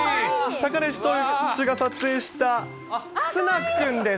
高梨投手が撮影したツナくんです。